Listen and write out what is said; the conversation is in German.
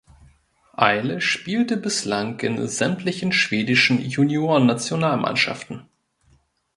Eile spielte bislang in sämtlichen schwedischen Juniorennationalmannschaften.